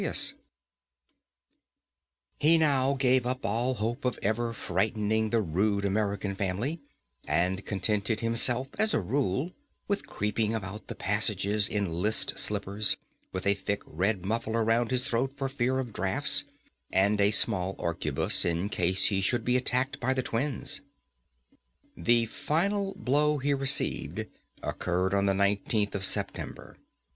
[Illustration: "MAKING SATIRICAL REMARKS ON THE PHOTOGRAPHS"] He now gave up all hope of ever frightening this rude American family, and contented himself, as a rule, with creeping about the passages in list slippers, with a thick red muffler round his throat for fear of draughts, and a small arquebuse, in case he should be attacked by the twins. The final blow he received occurred on the 19th of September.